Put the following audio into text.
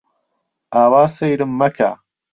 ئاوا سەیرم مەکە!